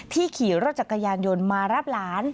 ขี่รถจักรยานยนต์มารับหลาน